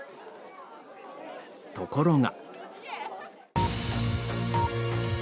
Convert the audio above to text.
ところが。